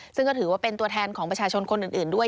ซึ่งก็ถือว่าเป็นตัวแทนของประชาชนคนอื่นด้วย